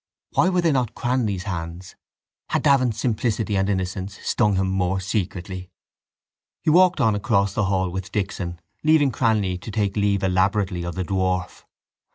Why were they not Cranly's hands? Had Davin's simplicity and innocence stung him more secretly? He walked on across the hall with Dixon, leaving Cranly to take leave elaborately of the dwarf.